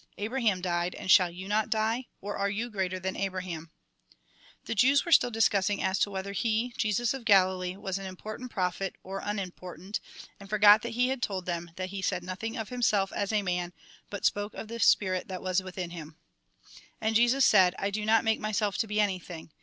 Abraham died, and shall you not die ? Or are you greater than Abraham ?" The Jews were still discussing as to whether he, Jesus of Galilee, was an important prophet, or un important, and forgot that he had told them, that he said nothing of himself as a man, but spoke of the spirit that was within him. And Jesus said :" I do not make myself to be anything.